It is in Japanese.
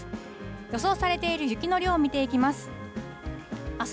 予想されている雪の量見ていきます。